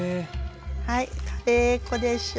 はいカレー粉でしょ。